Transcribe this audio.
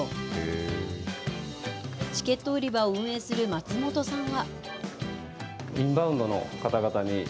チケット売り場を運営する松本さんは。